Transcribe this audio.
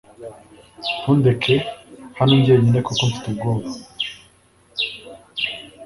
Ntundeke hano jyenyine kuko mfite ubwoba .